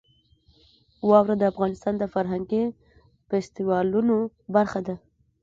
واوره د افغانستان د فرهنګي فستیوالونو برخه ده.